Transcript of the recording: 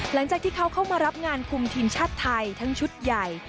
หลังจากที่เขาเข้ามารับงานคุมทีมชาติไทยทั้งชุดใหญ่